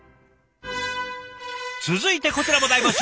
続いてこちらも大募集